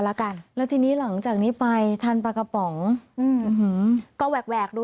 แล้วกันแล้วทีนี้หลังจากนี้ไปทานปลากระป๋องอืมก็แหวกแหวกดู